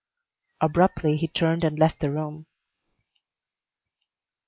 Abruptly he turned and left the room.